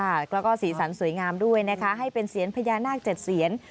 แล้วก็สีสันสวยงามด้วยนะคะให้เป็นเซียนพญานาคเจ็ดเซียน